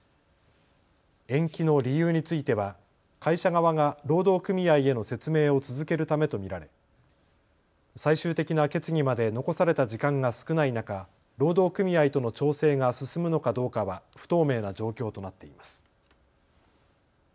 延期の理由については会社側が労働組合への説明を続けるためと見られ最終的な決議まで残された時間が少ない中、労働組合との調整が進むのかどうかは不透明な状況となっています。